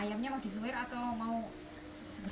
ayamnya mau di suwir atau mau